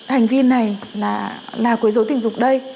hành vi này là quê dối tình dục đây